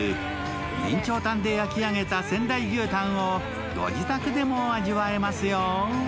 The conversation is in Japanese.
備長炭で焼き上げた仙台牛たんをご自宅でも味わえますよ。